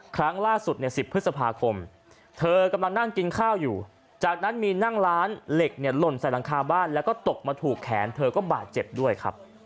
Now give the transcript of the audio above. ครั้งล่าสุดใน๑๐พฤษภาคมเธอกำลังนั่งกินข้าวอยู่จากนั้นมีนั่งร้านเหล็กเนี่ยหล่นใส่หลังคาบ้านแล้วก็ตกมาถูกแขนเธอก็บาดเจ็บด้วยครับ